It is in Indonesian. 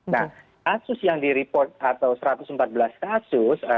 nah kasus yang di report atau satu ratus empat belas kasus